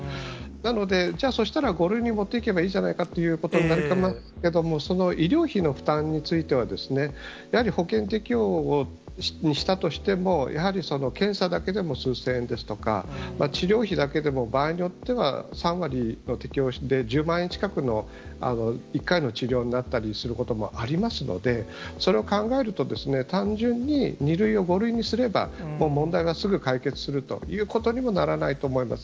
なので、じゃあ、そしたら５類に持っていけばいいじゃないかということになりますけれども、その医療費の負担については、やはり保険適用にしたとしても、やはり検査だけでも数千円ですとか、治療費だけでも場合によっては、３割の適用で１０万円近くの、１回の治療になったりすることもありますので、それを考えるとですね、単純に２類を５類にすれば、もう問題がすぐ解決するということにもならないと思います。